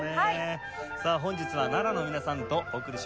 さあ本日は奈良の皆さんとお送りします。